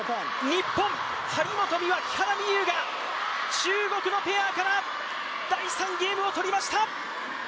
日本、張本美和・木原美悠が中国のペアから第３ゲームを取りました！